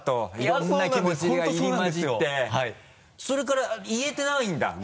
それから言えてないんだ？